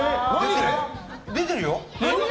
出てるよ！